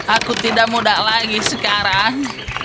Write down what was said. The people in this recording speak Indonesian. aku tidak muda lagi sekarang